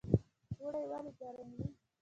اوړی ولې ګرم وي؟